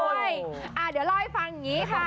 เดี๋ยวเล่าให้ฟังอย่างนี้ค่ะ